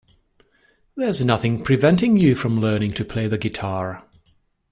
There's nothing preventing you from learning to play the guitar.